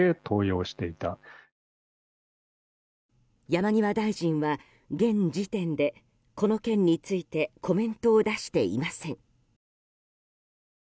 山際大臣は、現時点でこの件についてコメントを出していません。